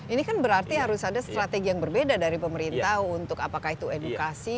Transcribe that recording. ini kan berarti harus ada strategi yang berbeda dari pemerintah untuk apakah itu edukasi